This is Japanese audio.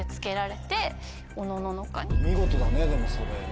見事だねでもそれね。